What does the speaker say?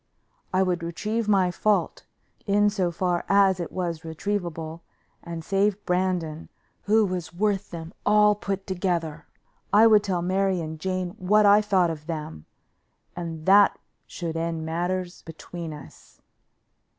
I would retrieve my fault, in so far as it was retrievable, and save Brandon, who was worth them all put together. I would tell Mary and Jane what I thought of them, and that should end matters between us.